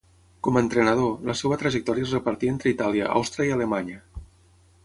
Com a entrenador, la seva trajectòria es repartí entre Itàlia, Àustria i Alemanya.